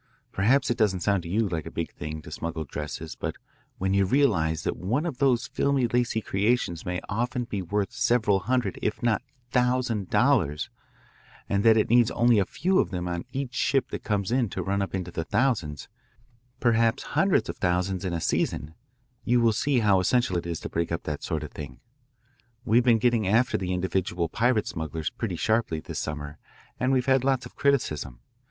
Perhaps it doesn't sound to you like a big thing to smuggle dresses, but when you realise that one of those filmy lacy creations may often be worth several hundred, if not thousand, dollars, and that it needs only a few of them on each ship that comes in to run up into the thousands, perhaps hundreds of thousands in a season, you will see how essential it is to break up that sort of thing. We've been getting after the individual private smugglers pretty sharply this summer and we've had lots of criticism.